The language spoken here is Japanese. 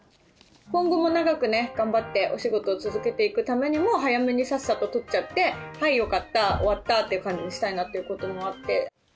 今後も長くね、頑張ってお仕事を続けていくためにも、早めにさっさと取っちゃって、はい、よかった、終わったっていう感じにしたいなということもあって。